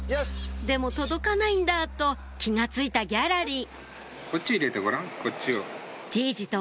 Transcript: でも届かないんだと気が付いたギャラリーじいじと